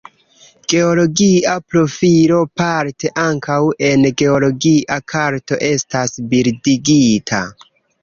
Geologia profilo parte ankaŭ en geologia karto estas bildigita.